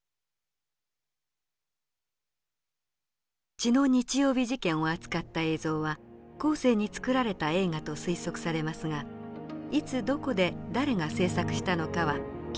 血の日曜日事件を扱った映像は後世に作られた映画と推測されますがいつどこで誰が製作したのかは記録に残っていません。